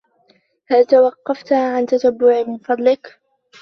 هلا توقفت عن تتبعي من فضلك